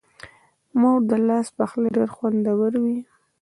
د مور د لاس پخلی ډېر خوندور وي.